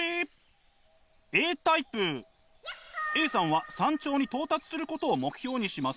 Ａさんは山頂に到達することを目標にします。